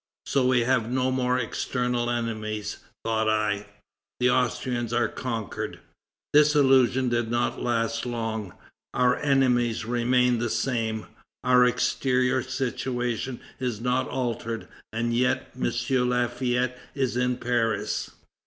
So we have no more external enemies, thought I; the Austrians are conquered. This illusion did not last long. Our enemies remain the same. Our exterior situation is not altered, and yet M. Lafayette is in Paris!